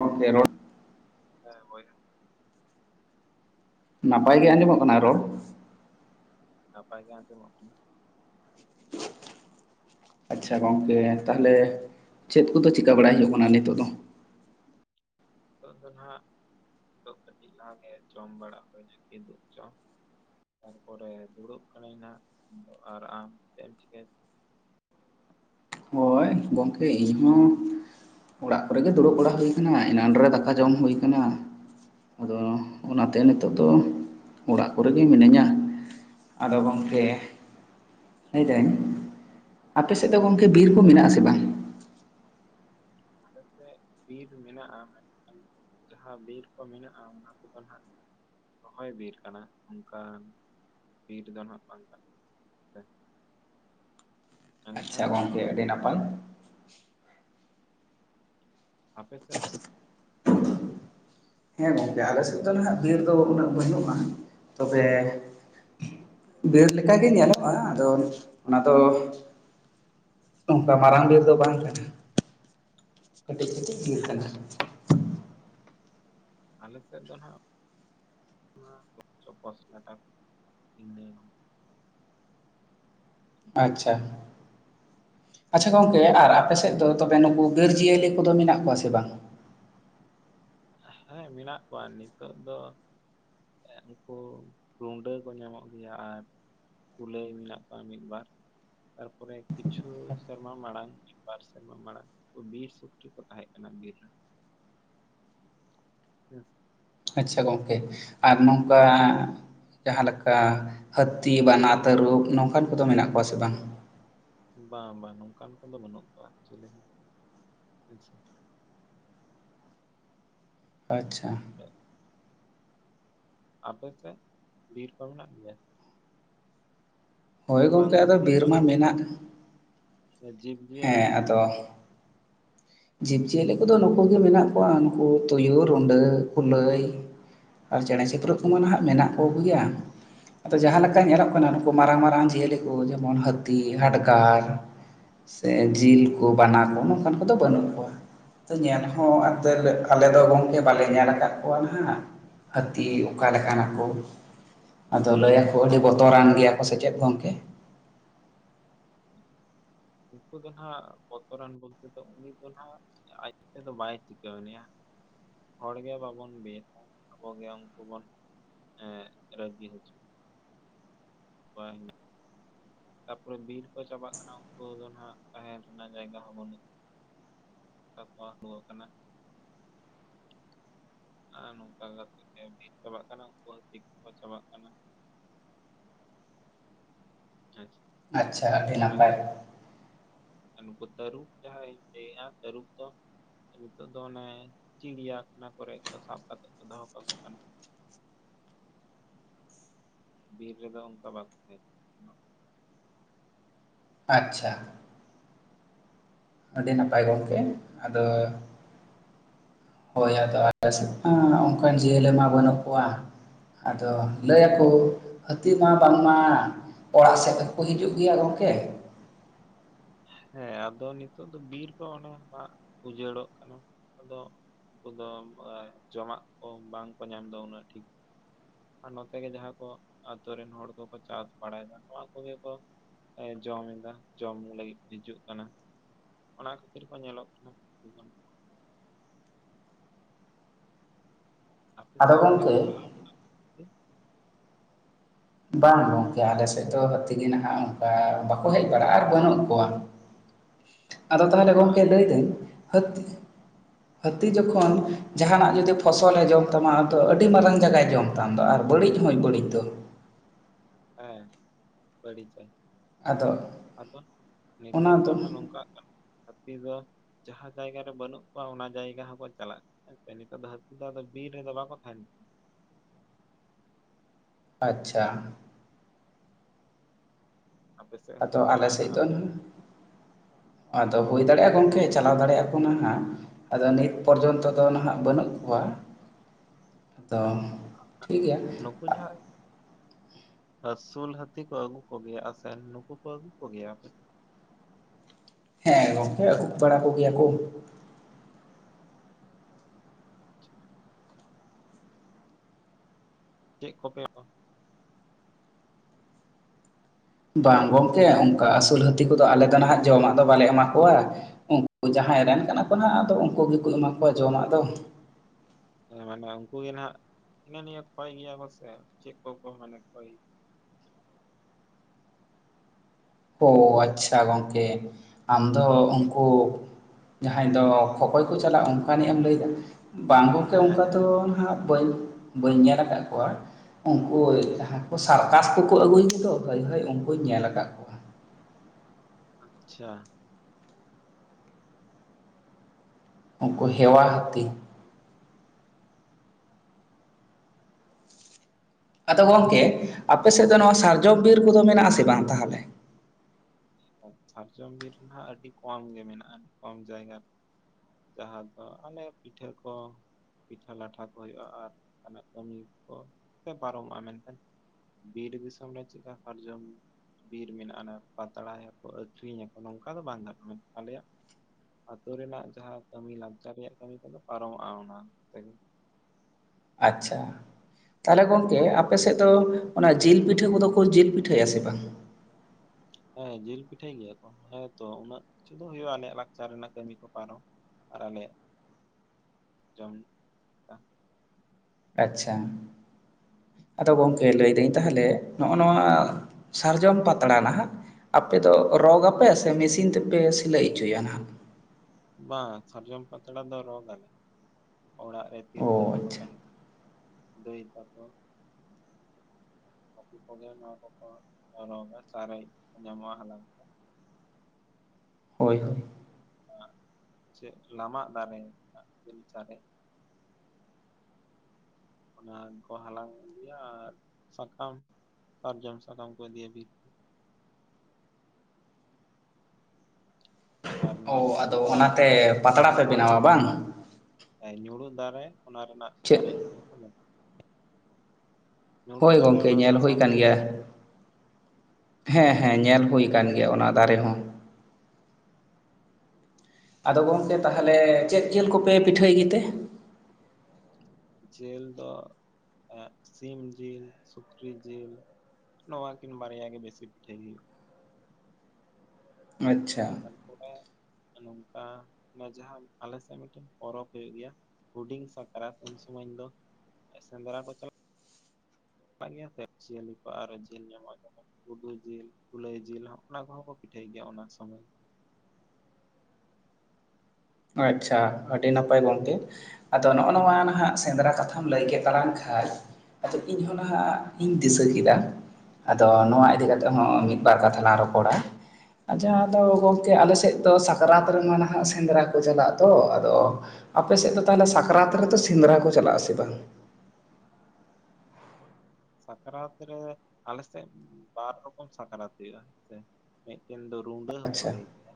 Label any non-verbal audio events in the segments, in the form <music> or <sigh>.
ᱜᱚᱝᱠᱮ ᱨᱚᱲ ᱦᱮᱸ ᱵᱚᱭᱦᱟ ᱱᱟᱯᱟᱭ ᱜᱮ ᱟᱸᱡᱚᱢᱚᱜ ᱠᱟᱱᱟ ᱨᱚᱲ? ᱱᱟᱯᱟᱭ ᱜᱮ ᱟᱡᱚᱢᱚᱜ ᱠᱟᱱᱟ᱾ ᱟᱪᱪᱷᱟ ᱜᱚᱝᱠᱮ ᱛᱟᱦᱞᱮ ᱪᱮᱫ ᱠᱚᱫᱚ ᱪᱤᱠᱟ ᱵᱟᱲᱟᱭ ᱦᱩᱭᱩᱜ ᱠᱟᱱᱟ ᱱᱤᱛᱚᱜ ᱫᱚ? ᱱᱤᱛᱚᱜ ᱫᱚ ᱱᱟᱦᱟᱜ ᱱᱤᱛᱚᱜ ᱠᱟᱹᱴᱤᱡ ᱞᱟᱦᱮ ᱜᱮ ᱡᱚᱢ ᱵᱟᱲᱟ ᱦᱩᱭᱱᱟ ᱠᱤᱫᱩᱜ ᱡᱚᱢ᱾ ᱛᱟᱨᱯᱚᱨᱮ ᱫᱩᱲᱩᱵ ᱠᱟᱱᱟᱭ ᱱᱟ ᱟᱨ ᱟᱢ ᱪᱮᱜ ᱮᱢ ᱪᱤᱠᱟᱹᱭ ᱦᱳᱭ ᱜᱚᱢᱠᱮ ᱤᱧ ᱦᱚᱸ ᱚᱲᱟᱜ ᱠᱚᱨᱮ ᱜᱮ ᱫᱩᱲᱩᱵ ᱵᱟᱲᱟ ᱦᱩᱭ ᱠᱟᱱᱟ ᱮᱱᱟᱱ ᱨᱮ ᱫᱟᱠᱟ ᱡᱚᱢ ᱦᱩᱭ ᱠᱟᱱᱟ᱾ ᱟᱫᱚ ᱚᱱᱟ ᱛᱮ ᱱᱤᱛᱚᱜ ᱫᱚ ᱚᱲᱟᱜ ᱠᱚᱨᱮ ᱜᱮ ᱢᱤᱱᱟᱹᱧᱟ᱾ ᱟᱫᱚ ᱜᱚᱝᱠᱮ ᱤ-ᱫᱟᱹᱧ ᱟᱯᱮ ᱥᱮᱡ ᱫᱚ ᱜᱚᱝ ᱵᱤᱨ ᱠᱚ ᱢᱮᱱᱟᱜᱼᱟ ᱥᱮ ᱵᱟᱝ? ᱟᱞᱮ ᱥᱮᱜ ᱵᱤᱨ ᱢᱮᱱᱟᱜᱼᱟ, ᱢᱮᱱᱠᱷᱟᱱ ᱡᱟᱦᱟᱸ ᱵᱤᱨ ᱠᱚ ᱢᱮᱱᱟᱜᱼᱟ ᱚᱱᱟ ᱠᱚᱫᱚ ᱦᱟᱜ ᱨᱚᱦᱚᱭ ᱵᱤᱨ ᱠᱟᱱᱟ ᱚᱱᱠᱟᱱ ᱵᱤᱨ ᱫᱚ ᱱᱟᱦᱟᱜ ᱵᱟᱝ᱾ ᱟᱪᱪᱷᱟ ᱮᱱᱠᱷᱟᱱ ᱜᱚᱝᱠᱮ ᱨᱚᱦᱚᱭ ᱟᱹᱰᱤ ᱵᱤᱨ ᱱᱟᱯᱟᱭ <inaudible> ᱟᱯᱮ ᱥᱮᱫ ᱫᱚ? ᱦᱮᱸ ᱜᱚᱝᱠᱮ ᱟᱞᱮ ᱥᱮᱡ ᱫᱚ ᱢᱮᱱᱟᱜ ᱵᱤᱨ ᱫᱚ ᱩᱱᱟᱹᱜ ᱵᱟᱹᱱᱩᱜᱼᱟ᱾ ᱛᱚᱵᱮ ᱵᱮᱨ ᱞᱮᱠᱟ ᱜᱮ ᱧᱮᱞᱚᱜᱼᱟ ᱟᱫᱚ ᱚᱱᱟ ᱛᱚ ᱚᱝᱠᱟ ᱢᱟᱨᱟᱝ ᱵᱤᱨ ᱫᱚ ᱵᱟᱝ ᱠᱟᱱᱟ, ᱠᱟᱹᱴᱤᱡ ᱠᱟᱹᱴᱤᱡ ᱵᱤᱨ ᱠᱟᱱᱟ᱾ ᱟᱞᱮ ᱥᱮᱫ ᱫᱚ ᱦᱟᱸᱜ <inaudible> ᱪᱚᱯᱚᱥ ᱞᱟᱴᱟ ᱠᱚ <inaudible> ᱟᱪᱪᱷᱟ᱾ ᱟᱪᱪᱷᱟ ᱜᱚᱝᱠᱮ ᱟᱨ ᱟᱯᱮ ᱥᱮᱡ ᱫᱚ ᱛᱚᱵᱮ ᱱᱩᱠᱩ ᱵᱤᱨ ᱡᱤᱭᱟᱹᱞᱤ ᱠᱚᱫᱚ ᱢᱮᱱᱟᱜ ᱠᱚᱣᱟ ᱥᱮ ᱵᱟᱝ? ᱦᱮᱸ ᱢᱮᱱᱟᱜ ᱠᱚᱣᱟ ᱱᱤᱛᱳᱜ ᱫᱚ ᱮ ᱩᱱᱠᱩ ᱨᱩᱸᱰᱟᱹ ᱠᱚ ᱧᱟᱢᱚᱜ ᱜᱮᱭᱟ, ᱟᱨ ᱠᱩᱞᱟᱹᱭ ᱢᱮᱱᱟᱜ ᱠᱚᱣᱟ ᱢᱤᱫᱼᱵᱟᱨ᱾ ᱛᱟᱨᱯᱚᱨᱮ ᱠᱤᱪᱷᱩ ᱥᱮᱨᱢᱟ ᱢᱟᱲᱟᱝ ᱵᱟᱨ ᱥᱮᱨᱢᱟ ᱢᱟᱲᱟᱝ᱾ ᱵᱤᱨ ᱥᱩᱠᱨᱤ ᱠᱚ ᱛᱟᱦᱮᱸ ᱠᱟᱱᱟ ᱵᱤᱨ ᱨᱮ᱾ ᱦᱮ᱾ ᱟᱪᱪᱷᱟ ᱜᱚᱢᱠᱮ ᱟᱨ ᱱᱚᱝᱠᱟ ᱡᱟᱦᱟᱸ ᱞᱮᱠᱟ ᱦᱟᱹᱛᱤ, ᱵᱟᱱᱟ, ᱛᱟᱹᱨᱩᱵ ᱱᱚᱝᱠᱟᱱ ᱠᱚᱫᱚ ᱢᱮᱱᱟᱜ ᱠᱚᱣᱟ ᱥᱮ ᱵᱟᱝ? ᱵᱟ ᱵᱟᱝ ᱱᱚᱝᱠᱟᱱ ᱠᱚᱫᱚ ᱵᱟᱹᱱᱩᱜ ᱠᱚᱣᱟ ᱪᱮᱞᱮ ᱦᱚᱸ, ᱟᱪᱪᱷᱟ᱾ ᱟᱪᱪᱷᱟ᱾ <inaudible> ᱟᱯᱮ ᱪᱮᱜ ᱵᱤᱨ ᱠᱚ ᱢᱮᱱᱟᱜ ᱜᱮᱭᱟ? ᱦᱳᱭ ᱵᱟᱝ ᱜᱚᱝᱠᱮ ᱟᱫᱚ ᱵᱤᱨ ᱢᱟ ᱢᱮᱱᱟᱜ᱾ ᱟᱹᱡᱤᱢ ᱦᱮᱸ, ᱟᱫᱚ ᱡᱤᱵᱽᱼᱡᱤᱭᱟᱹᱞᱤ ᱠᱚᱫᱚ ᱱᱩᱠᱩ ᱜᱮ ᱢᱮᱱᱟᱜ ᱠᱚᱣᱟ ᱱᱩᱠᱩ ᱛᱩᱭᱩ, ᱨᱩᱰᱟᱹ, ᱠᱩᱞᱟᱹᱭ᱾ ᱟᱨ ᱪᱮᱬᱮᱼᱪᱤᱯᱨᱩᱫ ᱠᱚᱢᱟ ᱱᱟᱦᱟᱜ ᱢᱮᱱᱟᱜ ᱠᱚ ᱜᱮᱭᱟ᱾ ᱟᱫᱚ ᱡᱟᱦᱟᱸ ᱞᱮᱠᱟ ᱧᱮᱞᱚᱜ ᱠᱟᱱᱟ ᱱᱩᱠᱩ ᱢᱟᱨᱟᱝ ᱢᱟᱨᱟᱝ ᱡᱤᱭᱟᱹᱞᱤ ᱠᱚ ᱡᱮᱢᱚᱱ ᱦᱟᱹᱛᱤ, ᱦᱟᱰᱜᱟᱨ᱾ ᱥᱮ ᱡᱤᱞ ᱠᱚ, ᱵᱟᱱᱟ ᱠᱚ ᱱᱚᱝᱠᱟᱱ ᱠᱚᱫᱚ ᱵᱟᱹᱱᱩᱜ ᱠᱚᱣᱟ᱾ ᱛᱮ ᱧᱮᱞ ᱦᱚᱸ ᱟᱛᱮ ᱫᱚ ᱟᱞᱮ ᱫᱚ ᱜᱚᱝᱠᱮ ᱵᱟᱞᱮ ᱧᱮᱞ ᱟᱠᱟᱫ ᱠᱚᱣᱟ ᱦᱟᱸᱜ᱾ ᱦᱟᱹᱛᱤ ᱚᱠᱟ ᱞᱮᱠᱟᱱᱟ ᱠᱚ? ᱟᱫᱚ ᱞᱟᱹᱭᱟ ᱠᱚ, ᱟᱹᱰᱤ ᱵᱚᱛᱚᱨᱟᱱ ᱜᱮᱭᱟ ᱠᱚ ᱥᱮ ᱪᱮᱫ ᱜᱚᱝᱠᱮ? ᱩᱱᱠᱩ ᱫᱚ ᱦᱟᱸᱜ ᱵᱚᱛᱚᱨᱟᱱ ᱵᱚᱞᱛᱮ ᱫᱚ ᱩᱱᱤ ᱫᱚ ᱱᱟᱜ ᱟᱡᱽ ᱛᱮᱫᱚ ᱵᱟᱭ ᱪᱤᱠᱟᱹᱣ ᱟᱱᱤᱼᱟ᱾ ᱦᱚᱲ ᱜᱮ ᱵᱟᱵᱚᱱ ᱵᱮᱥᱟ, ᱟᱵᱚ ᱜᱮ ᱩᱱᱠᱩ ᱵᱚᱱ ᱮᱸ ᱨᱟᱹᱜᱤ ᱦᱚᱪᱚ ᱠᱚᱣᱟ ᱛᱟᱯᱚᱨᱮ ᱵᱤᱨ ᱠᱚ ᱪᱟᱵᱟᱜ ᱠᱟᱱᱟ ᱩᱱᱠᱩ ᱫᱚ ᱱᱟᱦᱟᱜ ᱛᱟᱦᱮᱱ ᱨᱮᱱᱟᱜ ᱡᱟᱭᱜᱟ ᱦᱚᱸ ᱵᱟᱹᱱᱩᱜ ᱛᱟᱠᱚᱣᱟ ᱦᱳ ᱠᱟᱱᱟ᱾ ᱟᱨ ᱱᱚᱝᱠᱟ ᱠᱟᱛᱮ ᱜᱮ ᱵᱤᱨ ᱪᱟᱵᱟᱜ ᱠᱟᱱᱟ ᱩᱱᱠᱩ ᱦᱟᱹᱛᱤ ᱠᱚᱠᱚ ᱪᱟᱵᱟᱜ ᱠᱟᱱᱟ᱾ ᱟᱪᱷ ᱟᱪᱪᱷᱟ ᱟᱹᱰᱤ ᱛᱟᱨᱯᱚᱨᱮ ᱱᱟᱯᱟᱭ ᱟ ᱱᱩᱠᱩ ᱛᱟᱹᱨᱩᱯ ᱡᱟᱦᱟᱸᱭ ᱞᱟᱹᱭᱮᱜᱼᱟ ᱛᱟᱹᱨᱩᱯ ᱛᱚ ᱱᱤᱛᱚᱜ ᱫᱚ ᱚᱱᱮ ᱪᱤᱜ ᱤᱧ ᱞᱟᱭᱟ ᱚᱱᱟ ᱠᱚᱨᱮᱜ ᱠᱚ ᱥᱟᱵ ᱠᱟᱛᱮᱜ ᱠᱚ ᱫᱚᱦᱚ ᱠᱟᱠᱚ ᱠᱟᱱᱟ᱾ ᱵᱤᱨ ᱨᱮᱫᱚ ᱚᱱᱠᱟ ᱵᱟᱠᱚ ᱛᱟᱦᱮᱸ ᱱᱟ᱾ ᱟᱪᱪᱷᱟ ᱟᱹᱰᱤ ᱱᱟᱯᱟᱭ ᱜᱚᱝᱠᱮ ᱟᱫᱚ ᱦᱳᱭ ᱟᱫᱚ ᱟᱞᱮ ᱥᱮᱫ ᱢᱟ ᱚᱝᱠᱟᱱ ᱡᱤᱭᱟᱹᱞᱤ ᱢᱟ ᱵᱟᱹᱱᱩᱜ ᱠᱚᱣᱟ᱾ ᱟᱫᱚ ᱞᱟᱹᱭᱟᱠᱚ ᱦᱟᱹᱛᱤ ᱢᱟ ᱵᱟᱝᱢᱟ ᱚᱲᱟᱜ ᱥᱮᱫ ᱦᱚᱸᱠᱚ ᱦᱤᱡᱩᱜ ᱜᱮᱭᱟ ᱜᱚᱝᱠᱮ? ᱦᱮᱸ ᱟᱫᱚ ᱱᱤᱛᱚᱜ ᱫᱚ ᱵᱤᱨ ᱠᱚ ᱚᱱᱮ ᱢᱟᱜ ᱩᱡᱟᱹᱲᱚᱜ ᱠᱟᱱᱟ, ᱟᱫᱚ ᱩᱱᱠᱩ ᱫᱚ ᱮ ᱡᱚᱢᱟᱜ ᱠᱚ ᱵᱟᱝᱠᱩ ᱧᱟᱢᱫᱟ ᱩᱱᱟᱹᱜ ᱴᱷᱤᱠ᱾ ᱟᱨ ᱱᱚᱛᱮ ᱜᱮ ᱡᱟᱦᱟᱸ ᱠᱚ ᱟᱛᱳ ᱨᱮᱱ ᱦᱚᱲ ᱠᱚᱠᱚ ᱪᱟᱥ ᱵᱟᱲᱟᱭᱮᱫᱟ ᱱᱚᱣᱟ ᱠᱚᱜᱮ ᱠᱚ ᱮ ᱡᱚᱢ ᱮᱫᱟ ᱡᱚᱢ ᱞᱟᱹᱜᱤᱫ ᱦᱤᱡᱩᱜ ᱠᱟᱱᱟ᱾ ᱚᱱᱟ ᱠᱷᱟᱹᱛᱤᱨ ᱠᱚ ᱧᱮᱞᱚᱜ ᱠᱟᱱᱟ ᱟᱰᱤ ᱜᱟᱱ ᱟᱯᱮ ᱟᱫᱚ ᱥᱮ ᱚᱱᱛᱮ ᱜᱚᱢᱠᱮ ᱠᱚ ᱪᱟᱞᱟᱣ ᱵᱟᱲᱟᱜ ᱵᱟᱝ ᱜᱚᱝᱠᱮ ᱟᱞᱮᱥᱮᱫ ᱫᱚ ᱦᱟᱹᱛᱤ ᱜᱮ ᱱᱟᱦᱟᱜ ᱚᱝᱠᱟ ᱵᱟᱠᱚ ᱦᱮᱡ ᱵᱟᱲᱟᱜᱼᱟ, ᱟᱨ ᱵᱟᱹᱱᱩᱜ ᱠᱚᱣᱟ᱾ ᱟᱫᱚ ᱛᱟᱦᱚᱞᱮ ᱵᱟ ᱜᱚᱢᱠᱮ ᱞᱟᱹᱭᱫᱟᱹᱧ ᱦᱟᱹᱛᱤ ᱦᱟᱹᱛᱤ ᱡᱚᱠᱷᱚᱱ ᱡᱟᱦᱟᱱᱟᱜ ᱡᱩᱫᱤ ᱯᱷᱚᱥᱚᱞᱮ ᱡᱚᱢ ᱛᱟᱢᱟ, ᱟᱫᱚ ᱟᱹᱰᱤ ᱢᱟᱨᱟᱝ ᱡᱟᱜᱟᱭ ᱡᱚᱢ ᱛᱟᱢ ᱫᱚ ᱟᱨ ᱵᱟᱹᱲᱤᱡ ᱦᱚᱸᱭ ᱵᱟᱹᱲᱤᱡ ᱫᱚ᱾ ᱦᱮᱸ ᱵᱟᱹᱲᱤᱡᱟᱭ᱾ ᱟᱫᱚ ᱟᱫᱚ ᱱᱤᱛᱚᱜ ᱫᱚ ᱦᱟᱸᱜ ᱱᱚᱝᱠᱟᱜ ᱠᱟᱱᱟ ᱦᱟᱹᱛᱤ ᱫᱚ ᱡᱟᱦᱟᱸ ᱡᱟᱭᱜᱟ ᱨᱮ ᱵᱟᱹᱱᱩᱜ ᱠᱚᱣᱟ ᱚᱱᱟ ᱡᱟᱭᱜᱟ ᱦᱚᱸᱠᱚ ᱪᱟᱞᱟᱜ᱾ ᱦᱮᱸᱥᱮ ᱱᱤᱛᱚᱜ ᱫᱚ ᱦᱟᱹᱛᱤ ᱫᱚ ᱵᱤᱨ ᱨᱮ ᱫᱚ ᱵᱟᱠᱩ ᱛᱟᱦᱮᱱ᱾ ᱟᱪᱪᱷᱟ ᱟᱯᱮ ᱥᱮᱫ ᱦᱚᱸᱠᱚ ᱟᱫᱚ ᱟᱞᱮ ᱪᱟᱞᱟᱜᱼᱟ ᱥᱮᱫ ᱱᱟᱜ ᱫᱚ ᱟᱫᱚ ᱱᱟᱦ ᱟᱫᱚ ᱦᱩᱭ ᱫᱟᱲᱮᱭᱟᱜᱼᱟ ᱜᱚᱢᱠᱮ, ᱪᱟᱞᱟᱣ ᱫᱟᱲᱮᱜᱼᱟ ᱠᱚ ᱱᱟᱦᱟᱸᱜ᱾ ᱟᱫᱚ ᱱᱤᱛ ᱯᱚᱨᱡᱚᱱᱛᱚ ᱫᱚ ᱱᱟᱦᱟᱜ ᱵᱟᱹᱱᱩᱜ ᱠᱚᱣᱟ, ᱟᱫᱚ ᱴᱷᱤᱠ ᱜᱮᱭᱟ᱾ <unintelligible> ᱟᱹᱥᱩᱞ ᱦᱟᱹᱛᱤ ᱠᱚ ᱟᱹᱜᱩ ᱠᱚᱜᱮᱭᱟ ᱟᱥᱮᱱ ᱱᱩᱠᱩ ᱠᱚ ᱟᱹᱜᱩ ᱠᱚᱜᱮᱭᱟ ᱟᱯᱮ ᱦᱮᱸ ᱜᱚᱝᱠᱮ ᱟᱹᱜᱩ ᱵᱟᱲᱟ ᱠᱚ ᱜᱮᱭᱟ ᱠᱚ᱾ <inaudible> ᱪᱮᱫ ᱠᱚᱯᱮ ᱵᱟᱝ ᱜᱚᱝᱠᱮ ᱚᱝᱠᱟ ᱟᱹᱥᱩᱞ ᱦᱟᱹᱛᱤ ᱠᱚᱫᱚ ᱟᱞᱮ ᱫᱚ ᱱᱟᱦᱟᱸᱜ ᱡᱚᱢᱟᱜ ᱫᱚ ᱵᱟᱞᱮ ᱮᱢᱟ ᱠᱚᱣᱟ᱾ ᱩᱝᱠᱩ ᱡᱟᱸᱦᱟᱭ ᱨᱮᱱ ᱠᱟᱱᱟ ᱠᱚ ᱱᱟᱦᱟᱜ ᱟᱫᱚ ᱩᱝᱠᱩ ᱜᱮᱠᱚ ᱮᱢᱟ ᱠᱚᱣᱟ ᱡᱚᱢᱟᱜ ᱫᱚ᱾ ᱦᱮᱸ ᱢᱟᱱᱮ ᱩᱝᱠᱩ ᱜᱮ ᱱᱟᱦᱟᱜ ᱦᱤᱱᱟᱹ ᱱᱤᱭᱟᱹ ᱠᱚᱭ ᱜᱮᱭᱟ ᱠᱚᱥᱮ ᱪᱮᱫ ᱠᱚᱠᱚ ᱢᱟᱱᱮ ᱠᱷᱳᱭ ᱚ ᱟᱪᱪᱷᱟ ᱜᱚᱝᱠᱮ ᱟᱢᱫᱚ ᱩᱝᱠᱩ ᱡᱟᱸᱦᱟᱭ ᱫᱚ ᱠᱷᱚᱠᱚᱭ ᱠᱚ ᱪᱟᱞᱟᱜ ᱚᱝᱠᱟᱱᱤᱡ ᱮᱢ ᱞᱟᱹᱭ ᱫᱟ? ᱵᱟᱝ ᱜᱚᱝᱠᱮ ᱦᱮᱸ ᱚᱝᱠᱟ ᱦᱮᱸ ᱫᱚ ᱱᱟᱦᱟᱜ ᱵᱟᱹᱧ ᱵᱟᱹᱧ ᱧᱮᱞ ᱠᱟᱜ ᱠᱚᱣᱟ᱾ ᱩᱝᱠᱩ ᱡᱟᱸᱦᱟᱭ ᱠᱚ ᱥᱟᱨᱠᱟᱥ ᱠᱚᱠᱚ ᱟᱹᱜᱩᱭ ᱜᱮᱫᱚ ᱦᱳᱭ ᱦᱳᱭ ᱩᱝᱠᱩᱧ ᱧᱮᱞ ᱟᱠᱟᱜ ᱠᱚᱣᱟ᱾ ᱟᱪᱪᱷᱟ ᱩᱝᱠᱩ ᱦᱮᱣᱟ ᱦᱟᱹᱛᱤ᱾ ᱟᱫᱚ ᱜᱚᱝᱠᱮ ᱟᱯᱮ ᱥᱮᱫ ᱫᱚ ᱱᱚᱣᱟ ᱥᱟᱨᱡᱚᱢ ᱵᱤᱨ ᱠᱚᱫᱚ ᱢᱮᱱᱟᱜᱼᱟ ᱥᱮ ᱵᱟᱝ ᱛᱟᱦᱞᱮ? ᱥᱟᱨᱡᱚᱢ ᱵᱤᱨ ᱨᱮ ᱱᱟᱦᱟᱜ ᱟᱹᱰᱤ ᱠᱚᱢ ᱜᱮ ᱢᱮᱱᱟᱜᱼᱟ ᱠᱚᱢ ᱡᱟᱭᱜᱟ ᱡᱟᱸᱦᱟ ᱫᱚ ᱟᱞᱮ ᱯᱤᱴᱷᱟᱹ ᱠᱚ ᱯᱤᱴᱷᱷᱟ ᱞᱟᱴᱷᱟ ᱠᱚ ᱦᱩᱭᱩᱜᱼᱟ, ᱟᱨ ᱚᱱᱠᱟᱱᱟᱜ ᱠᱟᱹᱢᱤ ᱠᱚ ᱥᱮ ᱯᱟᱨᱚᱢᱚᱜᱼᱟ ᱢᱮᱱᱠᱷᱟᱱ ᱵᱤᱨ ᱫᱤᱥᱚᱢ ᱨᱮ ᱪᱮᱜᱠᱟ ᱥᱟᱨᱡᱚᱢ ᱵᱤᱨ ᱢᱮᱱᱟᱜᱼᱟ, ᱮ ᱯᱟᱛᱲᱟ ᱭᱟᱠᱚ, ᱟᱠᱷᱨᱤᱧᱟᱠᱚ, ᱱᱚᱝᱠᱟ ᱫᱚ ᱵᱟᱝ ᱜᱟᱱᱚᱜᱼᱟ᱾ ᱟᱞᱮᱭᱟᱜ ᱟᱹᱛᱳ ᱨᱮᱱᱟᱜ ᱡᱟᱸᱦᱟ ᱠᱟᱹᱢᱤ ᱞᱟᱠᱪᱟᱨ ᱨᱮᱭᱟᱜ ᱠᱟᱹᱢᱤ ᱠᱚᱫᱚ ᱯᱟᱨᱚᱢᱚᱜᱼᱟ ᱚᱱᱟ ᱛᱮᱜᱮ᱾ ᱟᱪᱪᱷᱟ ᱛᱟᱦᱞᱮ ᱜᱚᱝᱠᱮ ᱟᱯᱮ ᱥᱮᱜ ᱫᱚ ᱚᱱᱟ ᱡᱤᱞ ᱯᱤᱴᱷᱟᱹ ᱠᱚᱫᱚ ᱠᱚ ᱡᱤᱞ ᱯᱤᱴᱷᱟᱹᱭᱟ ᱥᱮ ᱵᱟᱝ? ᱦᱮᱸ ᱡᱤᱞ ᱯᱤᱴᱷᱟᱹᱭ ᱜᱮᱭᱟ ᱠᱚ, ᱦᱮᱸᱛᱚ ᱩᱱᱟᱹᱜ ᱠᱤᱪᱷᱩ ᱫᱚ ᱦᱩᱭᱩᱜᱼᱟ ᱟᱞᱮᱭᱟᱜ ᱞᱟᱠᱪᱟᱨ ᱨᱮᱱᱟᱜ ᱠᱟᱹᱢᱤ ᱠᱚ ᱯᱟᱨᱚᱢ᱾ ᱟᱨ ᱟᱞᱮ ᱡᱮᱢ ᱟᱪᱪᱷᱟ ᱟᱫᱚ ᱜᱚᱢᱠᱮ ᱞᱟᱹᱭᱫᱟᱹᱧ ᱛᱟᱦᱚᱞᱮ ᱱᱚᱜ-ᱚ ᱱᱚᱣᱟ ᱥᱟᱨᱡᱚᱢ ᱯᱟᱛᱲᱟ ᱱᱟᱦᱟᱜ ᱟᱯᱮ ᱫᱚ ᱨᱚᱜ ᱟᱯᱮ ᱥᱮ ᱢᱮᱥᱤᱱ ᱛᱮᱯᱮ ᱥᱤᱞᱟᱹᱭ ᱚᱪᱚᱭᱟ ᱱᱟᱜ ᱵᱟᱝ ᱥᱟᱨᱡᱚᱢ ᱯᱟᱛᱲᱟ ᱫᱚ ᱨᱚᱜ ᱟᱞᱮ ᱚᱲᱟᱜ ᱨᱮ ᱚ ᱛᱤᱨᱞᱟᱹ ᱠᱚ ᱠᱚ ᱟᱪᱪᱷᱟ ᱛᱟᱦᱮᱸᱱᱟ ᱫᱟᱹᱭ ᱛᱟᱠᱚ ᱟᱹᱠᱩ ᱠᱚᱜᱮ ᱱᱚᱣᱟ ᱠᱚᱠᱚ ᱨᱚᱠᱟ ᱪᱟᱨᱮᱡ ᱧᱟᱢᱚᱜᱼᱟ ᱦᱟᱞᱟᱝ ᱛᱮ ᱦᱳᱭ ᱦᱳᱭ ᱪᱮᱫ ᱞᱟᱢᱟᱜ ᱫᱟᱨᱮ ᱤᱞ ᱪᱟᱨᱮᱡ ᱚᱱᱟ ᱠᱚ ᱦᱟᱞᱟᱝ ᱟᱜᱩᱭᱟ ᱟᱨ ᱥᱟᱠᱟᱢ ᱥᱟᱨᱡᱚᱢ ᱥᱟᱠᱟᱢ ᱠᱚ ᱤᱫᱤᱭᱟ ᱵᱤᱨ ᱛᱮ ᱟᱨ ᱚ ᱱᱚᱣᱟ ᱟᱫᱚ ᱧᱲᱩᱫ ᱫᱟᱨᱮᱢ ᱧᱮᱞ ᱚᱱᱟᱛᱮ ᱠᱟᱫᱟ ᱯᱟᱛᱲᱟ ᱯᱮ ᱧᱩᱲᱩᱫ ᱵᱮᱱᱟᱣᱟ ᱵᱟᱝ ᱫᱟᱨᱮᱹ ᱧᱲᱩᱫ ᱫᱟᱨᱮ ᱚᱱᱟ ᱨᱮᱱᱟᱜ ᱪᱮᱫ ᱪᱟᱨᱮᱡ ᱛᱮᱦᱚ ᱠᱚ ᱵᱮᱱᱟᱣᱼᱟ, ᱦᱳᱭ ᱫᱟᱨᱮ ᱜᱚᱢᱠᱮ ᱚᱱᱟ ᱧᱮᱞ ᱦᱳᱭ ᱥᱟᱥᱟᱝ ᱟᱠᱟᱱ ᱜᱮ ᱜᱮᱭᱟ ᱵᱟᱝ, ᱦᱮᱸ ᱦᱮᱸ ᱧᱮᱞ ᱦᱳᱭ ᱠᱟᱱ ᱜᱮᱭᱟ ᱚᱱᱟ ᱫᱟᱨᱮ ᱦᱚᱸ ᱟᱫᱚ ᱜᱚᱢᱠᱮ ᱛᱟᱦᱚᱞᱮ ᱪᱮᱫ ᱡᱮᱞ ᱠᱚᱯᱮ ᱯᱤᱴᱷᱟᱹᱭ ᱜᱮᱛᱮ, ᱡᱮᱹᱞ ᱫᱚ ᱥᱤᱢ ᱡᱤᱞ ᱥᱩᱠᱨᱤ ᱡᱤᱞ, ᱱᱚᱣᱟ ᱠᱤᱱ ᱵᱟᱨᱭᱟ ᱜᱮ ᱵᱮᱥᱤ ᱯᱤᱴᱷᱟᱹᱭ ᱦᱩᱭᱩᱜ-ᱟ, ᱟᱪᱪᱷᱟ ᱛᱟᱨᱯᱚᱨᱮ ᱱᱚᱝᱠᱟ ᱡᱟᱸᱦᱟ ᱟᱞᱮ ᱥᱮᱫ ᱢᱤᱫᱴᱮᱱ ᱯᱚᱨᱚᱵᱽ ᱦᱩᱭᱩᱜ ᱜᱮᱭᱟ ᱦᱩᱸᱰᱤᱧ ᱥᱟᱠᱨᱟᱛ ᱩᱱᱥᱚᱧ ᱫᱚ ᱥᱮᱸᱫᱽᱨᱟ ᱠᱚ ᱪᱟᱞᱟᱜ᱾ ᱵᱟ ᱜᱮᱭᱟ ᱯᱮ ᱡᱮᱞᱮᱠᱟ ᱟᱨᱦᱚᱸ ᱡᱮᱞ ᱧᱟᱢᱚᱜ ᱡᱟᱢᱚᱜ᱾ ᱜᱩᱰᱩ ᱡᱤᱞ ᱠᱩᱞᱟᱹᱭ ᱡᱤᱞ ᱦᱚᱜᱼᱚ ᱱᱟ ᱠᱚᱦᱚᱸ ᱠᱚ ᱯᱤᱴᱷᱟᱹᱭ ᱜᱮᱭᱟ ᱚᱱᱟ ᱥᱚᱢᱚᱭ᱾ ᱟᱪᱪᱷᱟ, ᱟᱹᱰᱤ ᱱᱟᱯᱟᱭ ᱜᱚᱝᱠᱮ᱾ ᱟᱫᱚ ᱱᱚᱜᱼᱚ ᱱᱚᱣᱟ ᱱᱟᱦᱟᱜ ᱥᱮᱸᱫᱽᱨᱟ ᱠᱟᱛᱷᱟᱢ ᱞᱟᱹᱭ ᱠᱮᱫ ᱛᱟᱞᱟᱝ ᱠᱷᱟᱡ᱾ ᱟᱫᱚ ᱤᱧᱦᱚᱸ ᱱᱟᱦᱟᱜ ᱤᱧ ᱫᱤᱥᱟᱹ ᱠᱮᱫᱟ᱾ ᱟᱫᱚ ᱱᱚᱣᱟ ᱤᱫᱤ ᱠᱟᱛᱮᱜ ᱦᱚᱸ ᱢᱤᱫᱵᱟᱨ ᱠᱟᱛᱷᱟ ᱞᱟᱝ ᱨᱚᱯᱚᱲᱟ᱾ ᱟᱪᱪᱷᱟ ᱟᱸᱫᱚ ᱜᱚᱢᱠᱮ ᱟᱞᱮ ᱥᱮᱫ ᱫᱚ ᱥᱟᱠᱨᱟᱛ ᱨᱮᱢᱟ ᱱᱟᱦᱟᱜ ᱥᱮᱸᱫᱽᱨᱟ᱾ ᱠᱚ ᱪᱟᱞᱟᱜᱼᱟ ᱛᱚ, ᱟᱫᱚ ᱟᱯᱮ ᱥᱮᱫ ᱫᱚ ᱛᱟᱦᱚᱞᱮ ᱥᱟᱠᱨᱟᱛ ᱨᱮᱫᱚ ᱥᱮᱸᱫᱽᱨᱟ ᱠᱚ ᱪᱟᱞᱟᱜ-ᱟ ᱥᱮ ᱵᱟᱝ? ᱥᱟᱠᱨᱟᱛ ᱨᱮ ᱟᱞᱮ ᱥᱮᱫ ᱵᱟᱨ ᱨᱚᱠᱚᱢ ᱥᱟᱠᱨᱟᱛ ᱦᱳᱭᱳᱜ-ᱟ ᱥᱮ, ᱢᱤᱫᱴᱮᱱ ᱫᱚᱼᱼ ᱨᱩᱰᱟᱹ ᱦᱚ ᱠᱚ ᱟᱪᱪᱷᱟ ᱞᱟᱹᱭ ᱜᱮᱭᱟ᱾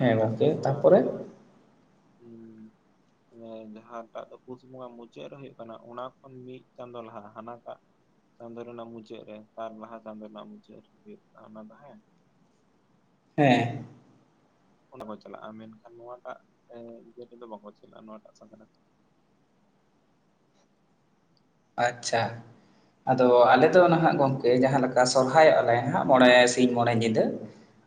ᱦᱮᱸ ᱫᱚ ᱜᱚᱢᱠᱮ ᱱᱚᱣᱟ ᱛᱟᱨᱯᱚᱨᱮ ᱦᱩᱸ᱾ ᱡᱟᱦᱟᱸᱴᱟᱜ ᱫᱚ ᱯᱩᱥ ᱵᱚᱸᱜᱟ ᱢᱩᱪᱟᱹᱫ ᱨᱮ ᱦᱩᱭᱩᱜ ᱠᱟᱱᱟ ᱚᱱᱟ ᱠᱷᱚᱱ ᱢᱤᱫ ᱪᱟᱸᱫᱳ ᱞᱟᱦᱟ ᱦᱟᱱᱟᱴᱟᱜ, ᱪᱟᱸᱫᱳ ᱨᱮᱱᱟᱜ ᱢᱩᱪᱟᱹᱫ ᱨᱮ ᱛᱟᱨ ᱞᱟᱦᱟ ᱪᱟᱸᱫᱳ ᱨᱮᱱᱟᱜ ᱢᱩᱪᱟᱹᱫ ᱨᱮ ᱦᱩᱭᱩᱜᱼᱟ ᱚᱱᱟ ᱫᱚ ᱦᱮᱸ, ᱦᱮᱸ ᱚᱱᱟ ᱠᱚ ᱪᱟᱞᱟᱜᱼᱟ ᱢᱮᱱᱠᱷᱟᱱ ᱱᱚᱣᱟᱴᱟᱜ ᱤᱭᱟᱹ ᱨᱮᱫᱚ ᱵᱟᱠᱚ ᱪᱟᱞᱟᱜᱼᱟ ᱱᱚᱣᱟᱴᱟᱜ ᱥᱟᱠᱨᱟᱛ, ᱟᱪᱪᱷᱟ ᱟᱫᱚ ᱟᱞᱮ ᱫᱚ ᱱᱟᱦᱟᱜ ᱜᱚᱢᱠᱮ ᱡᱟᱦᱟᱸ ᱞᱮᱠᱟ ᱥᱚᱨᱦᱟᱭᱚᱜᱼᱟ ᱞᱮ ᱢᱚᱸᱬᱮ ᱥᱤᱧ ᱢᱚᱸᱬᱮ ᱧᱤᱫᱟᱹ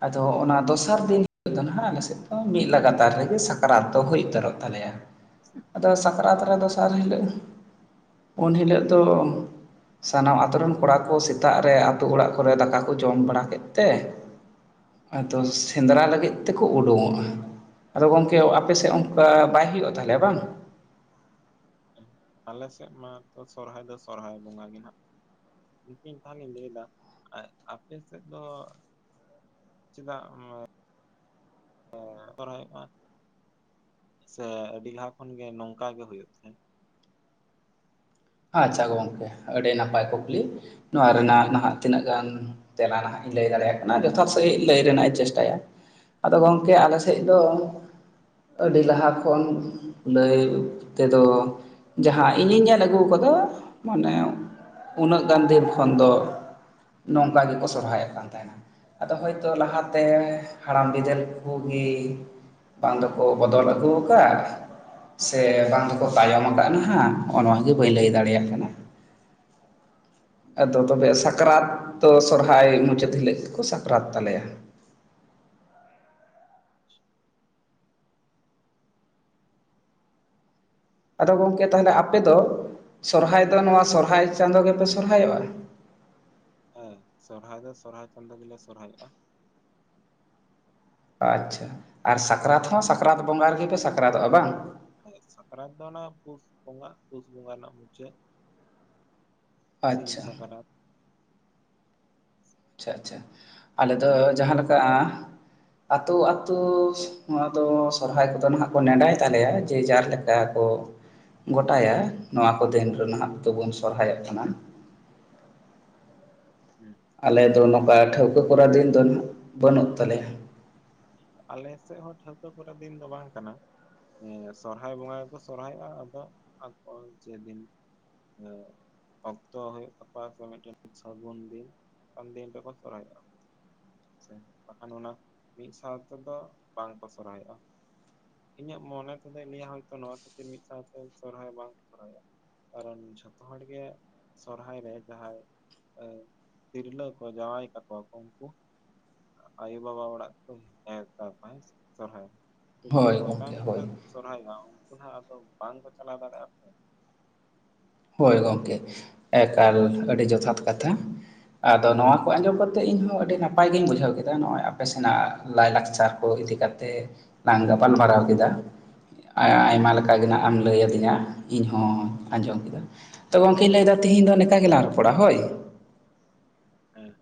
ᱟᱫᱚ ᱚᱱᱟ ᱫᱚᱥᱟᱨ ᱫᱤᱱ ᱫᱚᱱᱟᱦᱟᱜ ᱟᱞᱮ ᱥᱮᱫ ᱫᱚ ᱢᱤᱫ ᱞᱟᱜᱟᱛᱟᱨ ᱨᱮᱸᱜᱮ ᱥᱟᱠᱨᱟᱛ ᱫᱚ ᱦᱩᱭ ᱩᱛᱟᱹᱨᱚᱜ ᱛᱟᱞᱮᱭᱟ ᱟᱫᱚ ᱥᱟᱠᱨᱟᱛ ᱨᱮ ᱫᱚᱥᱟᱨ ᱦᱤᱞᱳᱜ ᱩᱱ ᱦᱤᱞᱳᱜ ᱫᱚ ᱥᱟᱱᱟᱢ ᱟᱛᱩ ᱨᱮᱱ ᱠᱚᱲᱟ ᱠᱚ ᱥᱮᱛᱟᱜ ᱨᱮ ᱟᱹᱛᱩ ᱚᱲᱟᱜ ᱠᱚᱨᱮ ᱫᱟᱠᱟ ᱠᱚ ᱡᱚᱢ ᱵᱟᱲᱟ ᱠᱮᱫ ᱛᱮ ᱟᱫᱚ ᱥᱮᱸᱫᱽᱨᱟ ᱞᱟᱹᱜᱤᱫ ᱛᱮᱠᱚ ᱩᱰᱩᱝ ᱚᱜᱼᱟ, ᱟᱫᱚ ᱜᱚᱝᱠᱮ ᱟᱯᱮᱥᱮᱫ ᱚᱱᱠᱟ ᱵᱟᱭ ᱦᱩᱭᱩᱜᱼᱟ ᱛᱟᱦᱚᱞᱮ ᱵᱟᱝ, ᱟᱞᱮ ᱥᱮᱫ ᱢᱟ ᱛᱚ ᱥᱚᱨᱦᱟᱭ ᱫᱚ ᱥᱚᱨᱦᱟᱭ ᱵᱚᱸᱜᱟ ᱜᱮ ᱱᱷᱟᱜ ᱫᱤᱠᱷᱤ ᱛᱟᱦᱚᱞᱮᱧ ᱞᱟᱹᱭᱫᱟ ᱟᱯᱮ ᱥᱮᱫ ᱫᱚ ᱪᱮᱫᱟᱜ ᱚᱱᱱᱚ <inaudible> ᱥᱮ ᱟᱹᱰᱤ ᱞᱟᱦᱟ ᱠᱷᱚᱱ ᱜᱮ ᱱᱚᱝᱠᱟ ᱜᱮ ᱦᱩᱭᱩᱜ ᱛᱟᱦᱮᱸᱫ, ᱟᱪᱪᱷᱟ ᱜᱚᱝᱠᱮ ᱟᱹᱰᱤ ᱱᱟᱯᱟᱭ ᱠᱩᱠᱞᱤ ᱱᱚᱣᱟ ᱨᱮᱱᱟᱜ ᱱᱟᱦᱟᱜ ᱛᱤᱱᱟᱹᱜ ᱜᱟᱱ, ᱛᱮᱞᱟ ᱱᱟᱦᱟᱜ ᱤᱧ ᱞᱟᱹᱭ ᱫᱟᱲᱮᱭᱟᱜ ᱠᱟᱱᱟ ᱡᱚᱛᱷᱟᱛ ᱥᱟᱺᱦᱤᱜ ᱞᱟᱹᱭ ᱨᱮᱱᱟᱜ ᱤᱧ ᱪᱮᱥᱴᱟᱭᱟ, ᱟᱫᱚ ᱜᱚᱢᱠᱮ ᱟᱞᱮ ᱥᱮᱡ ᱫᱚ ᱟᱹᱰᱤ ᱞᱟᱦᱟ ᱠᱷᱚᱱ ᱞᱟᱹᱭ ᱛᱮᱫᱚ ᱡᱟᱦᱟᱸ ᱤᱧᱤᱧ ᱧᱮᱞ ᱟᱹᱜᱩ ᱠᱚᱫᱚ ᱢᱟᱱᱮ ᱩᱱᱟᱹᱜ ᱜᱟᱱ ᱫᱷᱮᱨ ᱠᱷᱚᱱ ᱫᱚ ᱱᱚᱝᱠᱟ ᱜᱮᱠᱚ ᱥᱚᱨᱦᱟᱭᱚᱜ ᱠᱟᱱ ᱛᱟᱦᱮᱸᱱᱟ ᱟᱫᱚ ᱦᱳᱭᱛᱳ ᱞᱟᱦᱟᱛᱮ ᱦᱟᱲᱟᱢ ᱵᱤᱫᱟᱹᱞ ᱠᱩᱜᱤ, ᱵᱟᱝ ᱫᱚᱠᱚ ᱵᱚᱫᱚᱞ ᱟᱹᱜᱩ ᱟᱠᱟᱫ, ᱥᱮ ᱵᱟᱝ ᱫᱚᱠᱚ ᱛᱟᱭᱚᱢ ᱟᱠᱟᱜ ᱱᱟᱦᱟᱜ ᱚᱱᱟ ᱜᱮ ᱵᱟᱹᱧ ᱞᱟᱹᱭ ᱫᱟᱲᱮᱭᱟᱜ ᱠᱟᱱᱟ ᱟᱫᱚ ᱛᱚᱵᱮ ᱥᱟᱠᱨᱟᱛ ᱫᱚ ᱥᱚᱨᱦᱟᱭ ᱢᱩᱪᱟᱹᱫ ᱦᱤᱞᱳᱜ ᱜᱮᱠᱚ ᱥᱟᱠᱨᱟᱛ ᱛᱟᱞᱮᱭᱟ ᱟᱫᱚ ᱜᱚᱝᱠᱮ ᱛᱟᱦᱚᱞᱮ ᱟᱯᱮ ᱫᱚ ᱥᱚᱨᱦᱟᱭ ᱫᱚ ᱱᱚᱣᱟ ᱥᱚᱨᱦᱟᱭ ᱪᱟᱸᱫᱳ ᱜᱮᱯᱮ ᱥᱚᱨᱦᱟᱭᱚᱜᱼᱟ, ᱦᱮᱸ ᱥᱚᱨᱦᱟᱭ ᱫᱚ ᱥᱚᱨᱦᱟᱭ ᱪᱟᱸᱫᱳ ᱜᱮᱞᱮ ᱥᱚᱨᱦᱟᱭᱚᱜᱼᱟ, ᱟᱪᱪᱷᱟ ᱟᱨ ᱥᱟᱠᱨᱟᱛ ᱦᱚᱸ ᱥᱟᱠᱨᱟᱛ ᱵᱚᱸᱜᱟ ᱨᱮᱜᱮ ᱯᱮ ᱥᱟᱠᱨᱟᱛᱚᱜᱼᱟ ᱵᱟᱝ, ᱦᱮᱸ ᱥᱟᱠᱨᱟᱛ ᱫᱚ ᱚᱱᱟ ᱯᱩᱥ ᱵᱚᱸᱜᱟ ᱯᱩᱥ ᱵᱚᱸᱜᱟ ᱨᱮᱱᱟᱜ ᱢᱩᱪᱟᱹᱫ ᱥᱤᱧ ᱟᱪᱪᱷᱟ ᱥᱟᱠᱨᱟᱛ ᱟᱪᱪᱷᱟᱼᱟᱪᱪᱷᱟ ᱟᱞᱮ ᱫᱚ ᱡᱟᱦᱟᱸ ᱞᱮᱠᱟ ᱟᱛᱳ ᱟᱛᱳ ᱱᱚᱣᱟ ᱫᱚ ᱥᱚᱨᱦᱟᱭ ᱠᱚᱫᱚ ᱱᱟᱦᱟᱜ ᱠᱚ ᱱᱮᱰᱟᱭ ᱛᱟᱞᱮᱭᱟ ᱡᱮᱡᱟᱨ ᱞᱮᱠ ᱡᱟᱦᱟ ᱠᱚ ᱜᱚᱴᱟᱭᱟ ᱱᱚᱣᱟ ᱠᱚ ᱫᱤᱱ ᱨᱮᱱᱟᱜ ᱫᱚᱵᱩᱱ ᱥᱚᱨᱦᱟᱭᱚᱜ ᱠᱟᱱᱟ ᱾ ᱦᱮᱸ ᱟᱞᱮ ᱫᱚ ᱱᱚᱝᱠᱟ ᱥᱮᱫ ᱦᱚᱸ ᱴᱷᱟᱹᱣᱠᱟᱹ ᱠᱚᱨᱟ ᱫᱤᱱ ᱫᱚ ᱵᱟᱹᱱᱩᱜ ᱛᱟᱞᱮᱭᱟ ᱾ ᱟᱞᱮ ᱥᱮᱫ ᱦᱚᱸ ᱴᱷᱟᱹᱣᱠᱟᱹ ᱠᱚᱨᱟ ᱫᱤᱱ ᱫᱚ ᱵᱟᱝ ᱠᱟᱱᱟ᱾ ᱦᱮᱸ ᱥᱚᱨᱦᱟᱭ ᱵᱚᱸᱜᱟ ᱨᱮᱠᱚ ᱥᱚᱨᱦᱟᱭᱚᱜᱼᱟ ᱟᱫᱚ ᱟᱠᱚ ᱪᱮᱫᱤᱱ ᱦᱮᱸᱜᱻ ᱚᱠᱛᱚ ᱦᱩᱭᱩᱜ ᱛᱟᱠᱚᱣᱟ ᱥᱮ ᱢᱤᱴᱮᱱ ᱥᱟᱹᱜᱩᱱ ᱫᱤᱱ ᱩᱱ ᱫᱤᱱ ᱨᱮᱠᱚ ᱥᱚᱨᱦᱟᱭᱚᱜᱼᱟ᱾ ᱥᱮᱸ ᱵᱟᱠᱷᱟᱱ ᱚᱱᱟ ᱢᱤᱫ ᱥᱟᱶᱛᱮᱫᱚ ᱵᱟᱝᱠᱚ ᱥᱚᱨᱦᱟᱭᱚᱜᱼᱟ᱾ ᱤᱧᱟᱹᱜ ᱢᱚᱱᱮ ᱛᱮᱫᱚ ᱞᱟᱹᱭᱟ ᱦᱚᱭᱛᱚ ᱱᱚᱣᱟ ᱠᱷᱟᱹᱛᱤᱨ ᱢᱤᱫ ᱥᱟᱶᱛᱮ ᱥᱚᱨᱦᱟᱭ ᱵᱟᱝᱠᱚ ᱥᱚᱨᱦᱟᱭᱚᱜᱼᱟ? ᱠᱟᱨᱚᱱ ᱡᱷᱚᱛᱚ ᱦᱚᱲ ᱜᱮ ᱥᱚᱨᱦᱟᱭ ᱨᱮ ᱡᱟᱦᱟᱭ ᱛᱤᱨᱞᱟᱹ ᱠᱚ ᱡᱟᱶᱟᱭ ᱠᱟᱠᱚᱣᱟ ᱠᱚ ᱩᱱᱠᱩ ᱟᱭᱳᱵᱟᱵᱟ ᱚᱲᱟᱜ <unintelligible> ᱡᱩᱫᱤ ᱦᱳᱭ ᱱᱚᱝᱠᱟ ᱜᱚᱢᱠᱮ ᱦᱩᱭ ᱦᱳᱭ ᱠᱚᱜᱼᱟ᱾ ᱥᱚᱨᱦᱟᱭᱮᱱᱟᱢ ᱩᱱᱠᱩ ᱱᱟᱦᱟᱜ ᱟᱫᱚ ᱵᱟᱝᱠᱚ ᱪᱟᱞᱟᱣ ᱫᱟᱲᱮᱭᱟᱜᱼᱥᱮᱸ ᱦᱳᱭ ᱜᱚᱝᱠᱮ ᱮᱠᱟᱞ ᱟᱹᱰᱤ ᱡᱚᱛᱷᱟᱛ ᱠᱟᱛᱷᱟ ᱾ ᱟᱫᱚ ᱱᱚᱣᱟ ᱠᱚ ᱟᱸᱡᱚᱢ ᱠᱟᱛᱮᱫ ᱤᱧ ᱦᱚᱸ ᱟᱹᱰᱤ ᱱᱟᱯᱟᱭ ᱜᱤᱧ ᱵᱩᱡᱷᱟᱹᱣ ᱠᱮᱫᱟ ᱱᱚᱜᱼᱚᱭ ᱟᱯᱮ ᱥᱮᱱᱟᱜ ᱞᱟᱭᱼᱞᱟᱠᱪᱟᱨ ᱠᱚ ᱤᱫᱤ ᱠᱟᱛᱮᱫ ᱞᱟᱝ ᱜᱟᱯᱟᱞᱢᱟᱨᱟᱣ ᱠᱮᱫᱟ᱾ ᱟᱭᱢᱟ ᱞᱮᱠᱟ ᱜᱮ ᱦᱟᱸᱜ ᱮᱢ ᱞᱟᱹᱭ ᱟᱹᱫᱤᱧᱟ ᱤᱧᱦᱚᱸ ᱟᱡᱚᱢ ᱠᱮᱫᱟ᱾ ᱛᱚ ᱜᱚᱝᱠᱮ ᱞᱟᱹᱭᱫᱟ ᱛᱤᱦᱤᱧ ᱫᱚ ᱱᱮᱠᱟ ᱜᱮᱞᱟᱝ ᱨᱚᱯᱚᱲᱟ ᱦᱳᱭ? ᱦᱮᱸᱻ